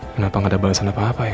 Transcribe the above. kenapa nggak ada balasan apa apa ya